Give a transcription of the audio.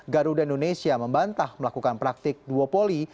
garuda indonesia membantah melakukan praktik duopoly